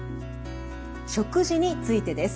食事についてです。